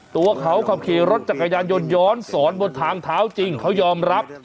ตัวเขาขับขี่รถจักรยานยนต์ย้อนสอนบนทางเท้าจริงเขายอมรับ